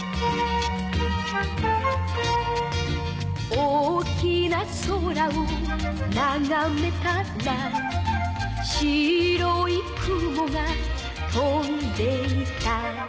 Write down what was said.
「大きな空をながめたら」「白い雲が飛んでいた」